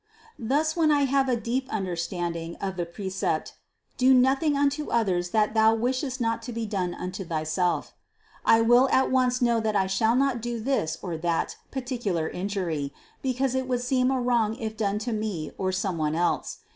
Thus when I have a deep un derstanding of the precept: "Do nothing unto others what thou wishest not to be done unto thyself," I will at once know that I shall not do this or that particular in jury, because it would seem a wrong if done to me or some one else.